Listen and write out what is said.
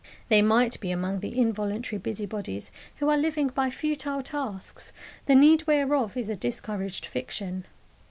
They might be among the involuntary busybodies who are living by futile tasks the need whereof is a discouraged fiction.